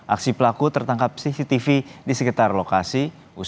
aksi pelaku tertangkap cctv di sekitar lokasi